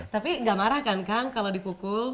tapi gak marah kan kang kalau dipukul